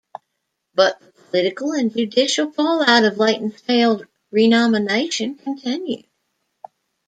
But the political and judicial fallout of Layton's failed renomination continued.